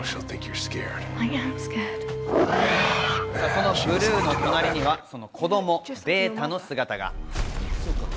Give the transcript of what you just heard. そのブルーの隣にはその子供・ベータの姿が。